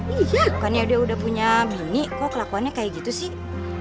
karena dia udah punya mini kok kelakuannya kayak gitu sih